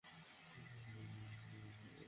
তাদের মধ্যে কিছু মানুষ আমাকে মাফ করে দিয়েছে।